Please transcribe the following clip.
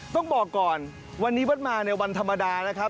ต้องบอกก่อนวันนี้วัดมาในวันธรรมดานะครับ